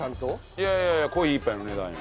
いやいやいやコーヒー１杯の値段よ。